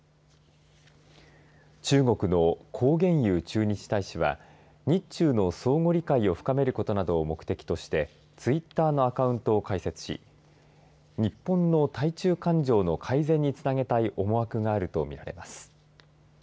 中国の孔鉉佑駐日大使は日中の相互理解を深めることなどを目的としてツイッターのアカウントを開設し日本の対中感情の改善につなげたい思惑があるとみられます。